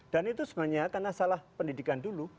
dan itu sebenarnya karena salah pendidikan dulu